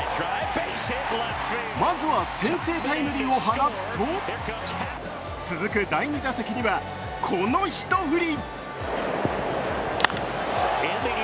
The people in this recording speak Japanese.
まずは先制タイムリーを放つと続く第２打席には、この一振り。